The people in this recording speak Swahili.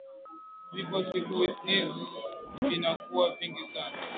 Vifo siku izi vinakuwa vingi sana